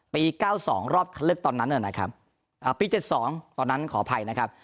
ปีเก้าสองรอบเลือกตอนนั้นเนอะนะครับอ่าปีเจ็ดสองตอนนั้นขออภัยนะครับ